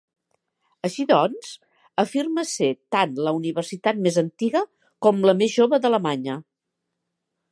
Així doncs, afirma ser tant la universitat més antiga com la més jove d'Alemanya.